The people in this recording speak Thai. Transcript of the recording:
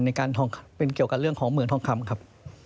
ในการทองเป็นเกี่ยวกับเรื่องของเหมืองทองคำครับ